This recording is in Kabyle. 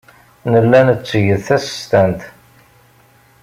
Nella netteg tasestant.